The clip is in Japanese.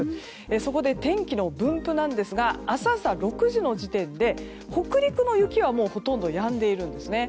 そこで天気の分布なんですが明日朝６時の時点で北陸の雪はほとんどやんでいるんですね。